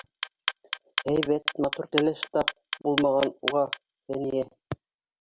Һәйбәт, матур кәләш тап булмаған уға, Фәниә.